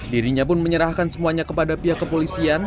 dirinya pun menyerahkan semuanya kepada pihak kepolisian